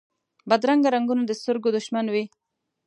بدرنګه رنګونه د سترګو دشمن وي